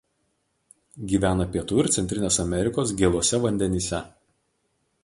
Gyvena Pietų ir Centrinės Amerikos gėluose vandenyse.